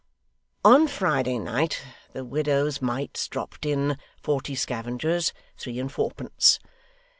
Hem! On Friday night the widows' mites dropped in. "Forty scavengers, three and fourpence.